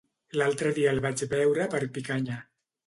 L'altre dia el vaig veure per Picanya.